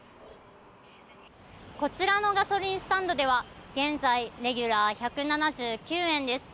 こちらのガソリンスタンドでは現在レギュラー１７９円です。